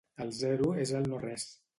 El zero és el no-res.